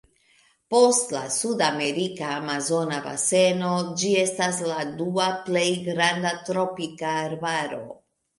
Post la sudamerika amazona baseno ĝi estas la dua plej granda tropika arbaro.